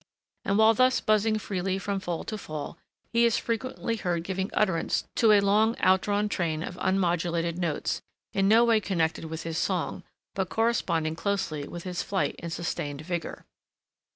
And while thus buzzing freely from fall to fall, he is frequently heard giving utterance to a long outdrawn train of unmodulated notes, in no way connected with his song, but corresponding closely with his flight in sustained vigor.